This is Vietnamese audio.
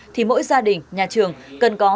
thì mỗi gia đình nhà trường cần có